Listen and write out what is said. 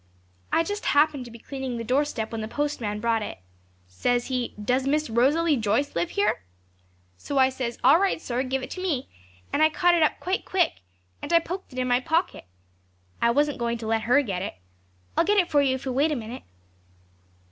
I just happened to be cleaning the doorstep when the postman brought it. Says he, "Does Miss Rosalie Joyce live here?" So I says, "All right, sir; give it to me;" and I caught it up quite quick, and I poked it in my pocket. I wasn't going to let her get it. I'll get it for you if you'll wait a minute.'